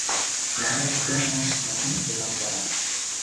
Naŋay vudoŋo, nan min vulaŋ vaʼa.